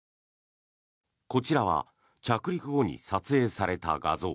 こちらは着陸後に撮影された画像。